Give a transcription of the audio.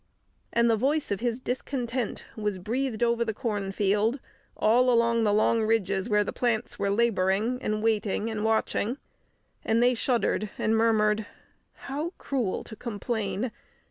And the voice of his discontent was breathed over the cornfield, all along the long ridges where the plants were labouring, and waiting, and watching. And they shuddered and murmured: "How cruel to complain!